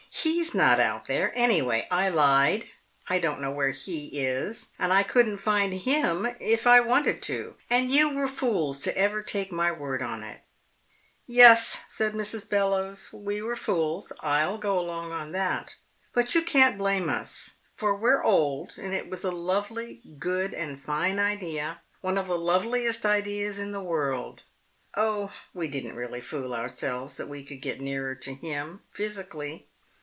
He's not out there, anyway. I lied. I don't know where He is, and I couldn't find Him if I wanted to. And you were fools to ever take my word on it." "Yes," said Mrs. Bellowes, "we were fools. I'll go along on that. But you can't blame us, for we're old, and it was a lovely, good and fine idea, one of the loveliest ideas in the world. Oh, we didn't really fool ourselves that we could get nearer to Him physically.